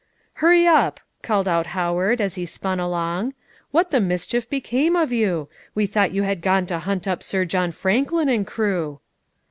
"Hurry up," called out Howard, as he spun along. "What the mischief became of you? We thought you had gone to hunt up Sir John Franklin and crew."